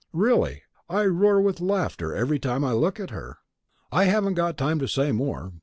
Really, I roar with laughter every time I look at her! I haven't got time to say more.